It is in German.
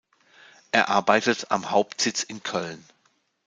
Er arbeitet am Hauptsitz in Köln.